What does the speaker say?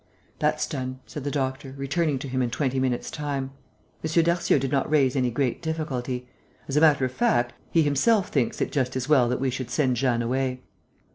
"That's done," said the doctor, returning to him in twenty minutes' time. "M. Darcieux did not raise any great difficulty. As a matter of fact, he himself thinks it just as well that we should send Jeanne away."